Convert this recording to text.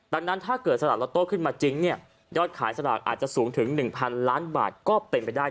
ดังนั้นถ้าเกิดสลากล็ตโต้ขึ้นมาจริงเนี่ยยอดขายสลากอาจจะสูงถึง๑๐๐ล้านบาทก็เป็นไปได้